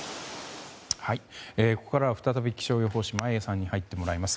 ここからは再び気象予報士、眞家さんに入ってもらいます。